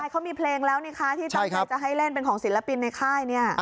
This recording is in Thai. เขามีเพลงแล้วนี่ค่ะที่ต้องให้เล่นเป็นของศิลปินในค่ายเนี่ย